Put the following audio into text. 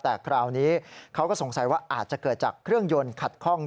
แต่คราวนี้เขาก็สงสัยว่าอาจจะเกิดจากเครื่องยนต์ขัดข้อง